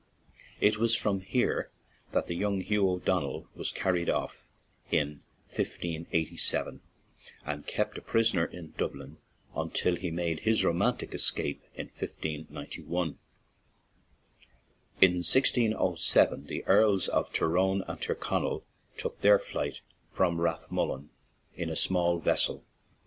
It was from here that the young Hugh O'Donnell was carried off in 1587, and kept a prisoner in Dublin until he made his romantic escape in 1 59 1. In 1607, the Earls of Tyrone and Tyrconnell took their "flight" from Rath mullen in a small vessel.